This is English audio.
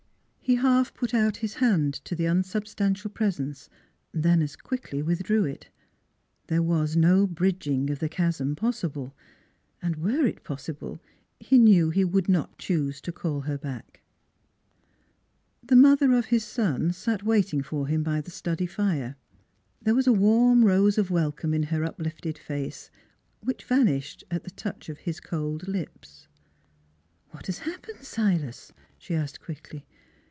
He half put out his hand to the unsubstantial presence, then as quickly withdrew it. There was no bridging of the chasm possible. And were it NEIGHBORS 123 possible, he knew he would not choose to call her back. ... The mother of his son sat waiting for him by the study fire. There was a warm rose of wel come in her uplifted face which vanished at the touch of his cold lips. "What has happened, Silas?" she asked quickly.